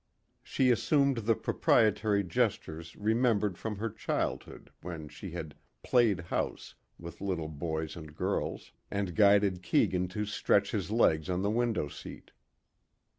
She assumed the proprietory gestures remembered from her childhood when she had "played house" with little boys and girls, and guided Keegan to stretch his legs on the window seat.